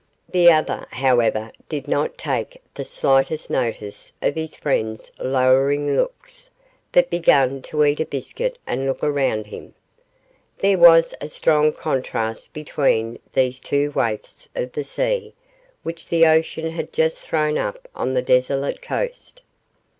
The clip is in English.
The other, however, did not take the slightest notice of his friend's lowering looks, but began to eat a biscuit and look around him. There was a strong contrast between these two waifs of the sea which the ocean had just thrown up on the desolate coast.